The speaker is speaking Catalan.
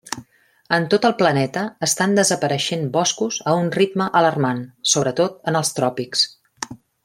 En tot el planeta estan desapareixent boscos a un ritme alarmant, sobretot en els tròpics.